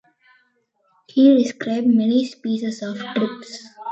He described many species of thrips.